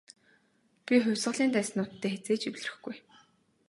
Би хувьсгалын дайснуудтай хэзээ ч эвлэрэхгүй.